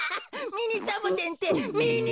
ミニサボテンって！